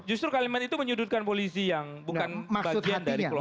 justru kalimat itu menyudutkan polisi yang bukan bagian dari kelompok